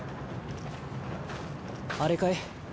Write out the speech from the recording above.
あれかい？